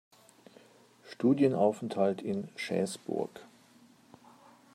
Studienaufenthalt in Schäßburg.